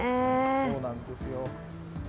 そうなんですよ。